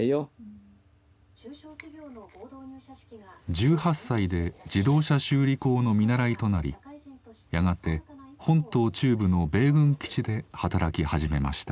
１８歳で自動車修理工の見習いとなりやがて本島中部の米軍基地で働き始めました。